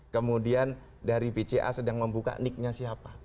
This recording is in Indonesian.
kemudian dari pca sedang membuka nicknya siapa